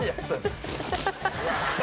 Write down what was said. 「ハハハハ！」